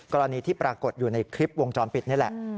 กรณีที่ปรากฏอยู่ในคลิปวงจรปิดนี่แหละ